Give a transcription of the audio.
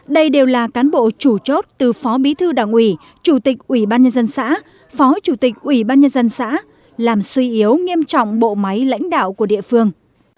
đây đều là cán bộ chủ chốt từ phó bí thư đảng ủy chủ tịch ủy ban nhân dân xã phó chủ tịch ủy ban nhân dân xã làm suy yếu nghiêm trọng bộ máy lãnh đạo của địa phương